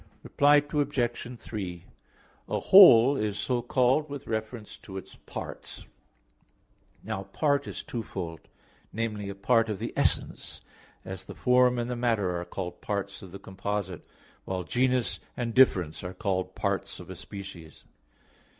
Reply Obj. 3: A whole is so called with reference to its parts. Now part is twofold: viz. a part of the essence, as the form and the matter are called parts of the composite, while genus and difference are called parts of species.